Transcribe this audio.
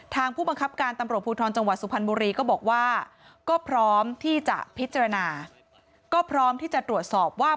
ผู้บังคับการตำรวจภูทรจังหวัดสุพรรณบุรีก็บอกว่าก็พร้อมที่จะพิจารณาก็พร้อมที่จะตรวจสอบว่า